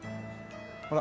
ほら。